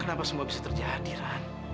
kenapa semua bisa terjadi kan